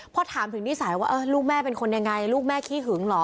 พอถามถึงนิสัยว่าลูกแม่เป็นคนยังไงลูกแม่ขี้หึงเหรอ